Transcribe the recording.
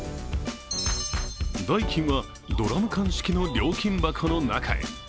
代金はドラム缶式の料金箱の中へ。